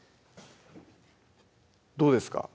どうですか？